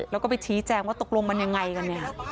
แล้วก็ไปชี้แจงว่าตกลงมันยังไงกันเนี่ย